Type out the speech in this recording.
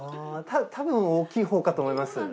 多分大きいほうかと思います。